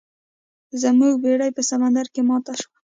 زموږ بیړۍ په سمندر کې ماته شوه.